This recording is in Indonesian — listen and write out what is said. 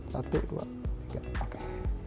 satu dua tiga oke